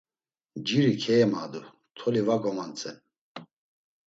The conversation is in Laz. Nciri keyemadu, toli va gomatzen.